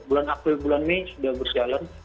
bulan april bulan mei sudah berjalan